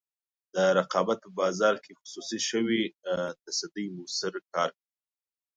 د رقابت په بازار کې خصوصي شوې تصدۍ موثر کار کوي.